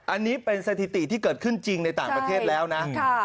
อันนี้เป็นสถิติที่เกิดขึ้นจริงในต่างประเทศแล้วนะ